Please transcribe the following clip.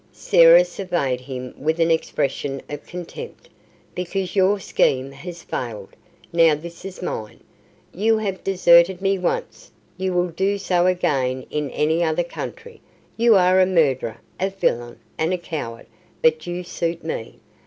Sarah surveyed him with an expression of contempt. "Because your scheme has failed. Now this is mine. You have deserted me once; you will do so again in any other country. You are a murderer, a villain, and a coward, but you suit me.